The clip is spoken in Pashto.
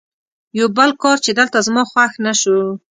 یو بل کار چې دلته زما خوښ نه شو.